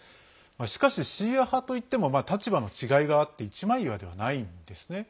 しかし、シーア派といっても立場の違いがあって一枚岩ではないんですね。